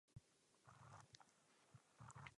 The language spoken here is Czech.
Součástí herního plánu byla také baráž.